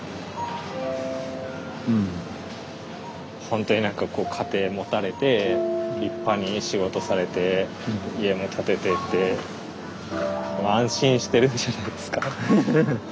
ほんとに何かこう家庭持たれて立派に仕事されて家も建ててって安心してるんじゃないですか？